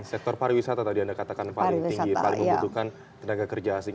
sektor pariwisata tadi anda katakan paling tinggi paling membutuhkan tenaga kerja asing